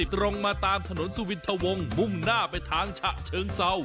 ตรงมาตามถนนสุวินทะวงมุ่งหน้าไปทางฉะเชิงเศร้า